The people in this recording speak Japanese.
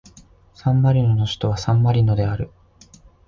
サンマリノの首都はサンマリノである